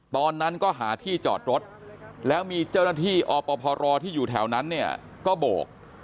ตอนนั้นก็หาที่จอดรถแล้วมีเจ้าหน้าที่อพรที่อยู่แถวนั้นเนี่ยก็โบก